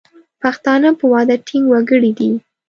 پښتانه په وعده ټینګ وګړي دي.